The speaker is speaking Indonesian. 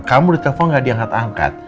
kamu ditelepon gak diangkat angkat